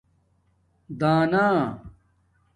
دَانآہ